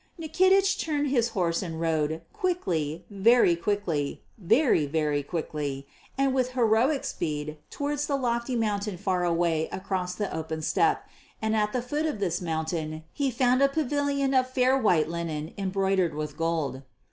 Nikitich turned his horse and rode, quickly, very quickly, very, very quickly, and with heroic speed, towards the lofty mountain far away across the open steppe, and at the foot of this mountain he found a pavilion of fair white linen embroidered with gold.